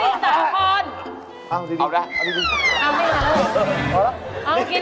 ยังไม่พอเอากระดำก็ให้อีก